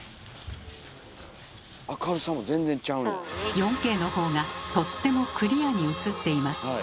４Ｋのほうがとってもクリアに映っています。